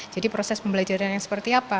jadi proses pembelajaran yang seperti apa